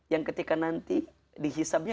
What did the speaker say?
yang ketika nanti dihisapnya